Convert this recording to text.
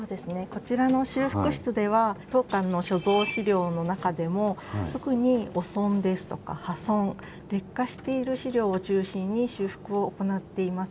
こちらの修復室では当館の所蔵資料の中でも特に汚損ですとか破損劣化している資料を中心に修復を行っています。